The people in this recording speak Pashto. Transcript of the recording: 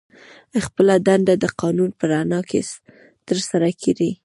خپله دنده د قانون په رڼا کې ترسره کړي.